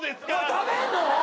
食べんの！？